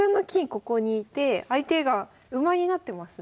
ここにいて相手が馬になってますね。